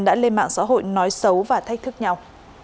đã lên mạng xã hội nói xấu và thách thức nhau